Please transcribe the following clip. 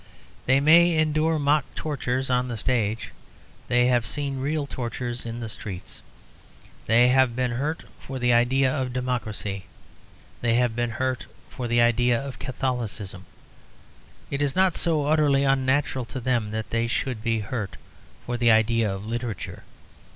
They may endure mock tortures on the stage; they have seen real tortures in the streets. They have been hurt for the idea of Democracy. They have been hurt for the idea of Catholicism. It is not so utterly unnatural to them that they should be hurt for the idea of literature.